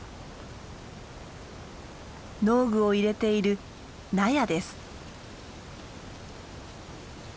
農具を入れている納屋です。